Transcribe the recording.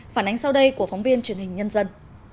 phản ánh sau đây của phóng viên truyền hình nhân dân